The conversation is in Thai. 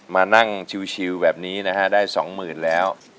มานั่งชิวแบบนี้นะฮะได้๒๐๐๐แล้ว